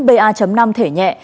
pa năm thể nhẹ